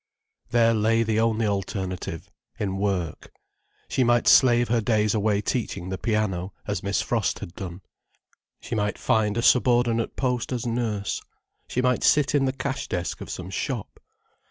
There lay the only alternative: in work. She might slave her days away teaching the piano, as Miss Frost had done: she might find a subordinate post as nurse: she might sit in the cash desk of some shop.